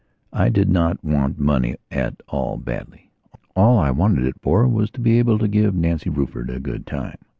I did not want money at all badly. All I wanted it for was to be able to give Nancy Rufford a good time.